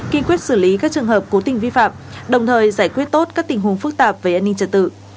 kiên quyết xử lý các trường hợp cố tình vi phạm đồng thời giải quyết tốt các tình huống phức tạp về an ninh trật tự